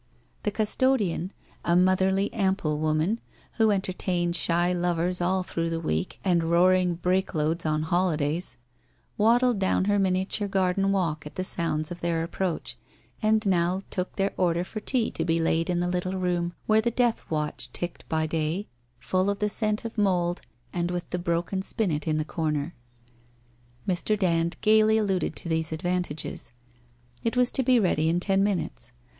The custodian, a motherly ample woman, who enter tained shy lovers all through the week and roaring break loads on holidays, waddled down her miniature garden walk at the sounds of their approach, and now took their order for tea to be laid in the little room where the death watch ticked by day, full of the scent of mould and with the broken spinet in the corner. Mr. Dand WHITE ROSE OF WEARY LEAF 299 gaily alluded to these advantages. It was to be ready in ten minutes.